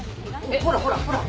ほらほらほら。